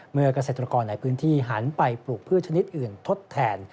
เกษตรกรในพื้นที่หันไปปลูกพืชชนิดอื่นทดแทน